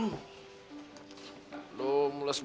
umroh di indonesia kita asing